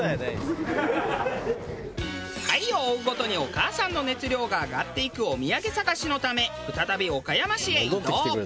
回を追うごとにお母さんの熱量が上がっていくお土産探しのため再び岡山市へ移動。